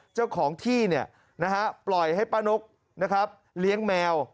เจ้าของที่ปล่อยให้ป้านกเลี้ยงแมว